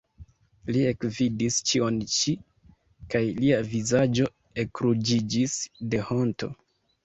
Li ekvidis ĉion ĉi, kaj lia vizaĝo ekruĝiĝis de honto.